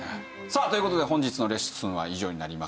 さあという事で本日のレッスンは以上になります。